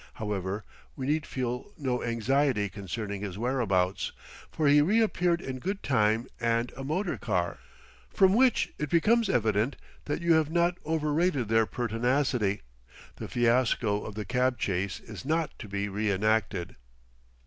However, we need feel no anxiety concerning his whereabouts, for he reappeared in good time and a motor car. From which it becomes evident that you have not overrated their pertinacity; the fiasco of the cab chase is not to be reënacted."